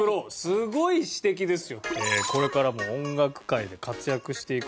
すごい詩的ですよ。